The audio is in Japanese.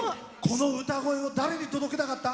この歌声を誰に届けたかった？